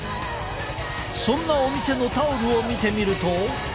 そんなお店のタオルを見てみると。